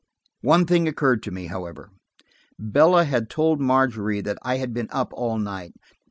One thing occurred to me, however. Bella had told Margery that I had been up all night.